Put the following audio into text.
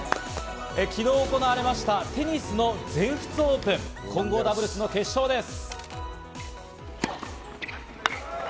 昨日行われましたテニスの全仏オープン混合ダブルスの決勝です。